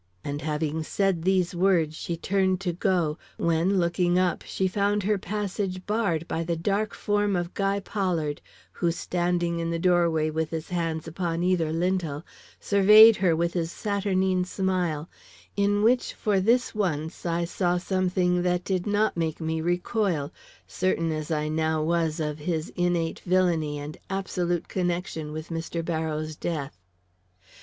And, having said these words, she turned to go, when, looking up, she found her passage barred by the dark form of Guy Pollard, who, standing in the doorway with his hands upon either lintel, surveyed her with his saturnine smile, in which for this once I saw something that did not make me recoil, certain as I now was of his innate villainy and absolute connection with Mr. Barrows' death.